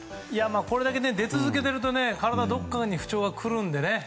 これだけ出続けていると体のどこかに不調はくるんでね。